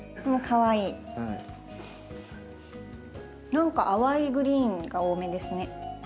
何か淡いグリーンが多めですね。